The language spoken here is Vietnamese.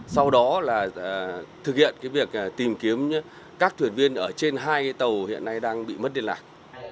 sau đó là thực hiện việc tìm kiếm các thuyền viên ở trên hai tàu hiện nay đang bị mất liên lạc